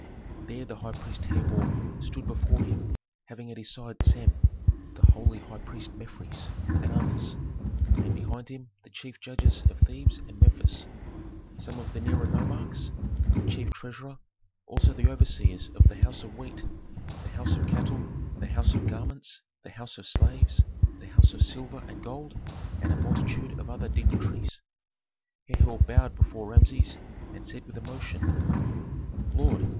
There the high priest Herhor stood before him, having at his side Sem, the holy high priest, Mefres, and others, and behind him the chief judges of Thebes and Memphis, some of the nearer nomarchs, the chief treasurer, also the overseers of the house of wheat, the house of cattle, the house of garments, the house of slaves, the house of silver and gold, and a multitude of other dignitaries. Herhor bowed before Rameses, and said with emotion, "Lord!